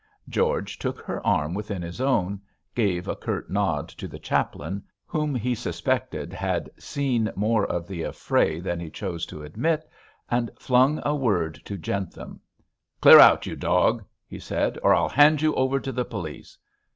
George took her arm within his own, gave a curt nod to the chaplain, whom he suspected had seen more of the affray than he chose to admit, and flung a word to Jentham. 'Clear out, you dog!' he said, 'or I'll hand you over to the police.